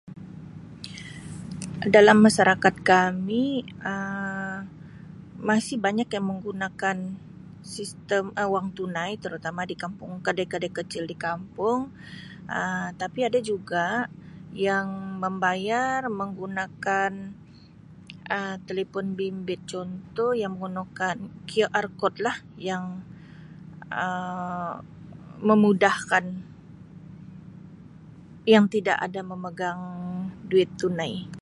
Dalam masyarakat kami Um masih banyak menggunakan sistem Um wang tunai terutama di kampung kedai-kedai kecil di kampung Um tapi ada juga yang membayar menggunakan Um telefon bimbit contoh yang menggunakan QR code lah yang Um memudahkan yang tidak ada memegang duit tunai.